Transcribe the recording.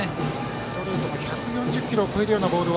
ストレート１４０キロを超えるようなボール